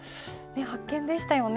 発見でしたよね。